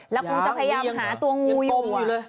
แล้วคุณจะพยายามหาตัวงูอยู่